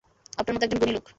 আপনার মত একজন গুণী লোক।